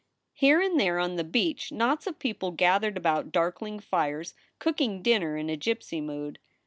Here and there on the beach knots of people gathered about darkling fires, cooking dinner in a gypsy mood.